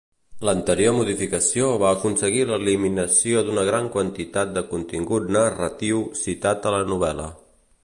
L'anterior modificació va aconseguir l'eliminació d'una gran quantitat de contingut narratiu citat a la novel·la.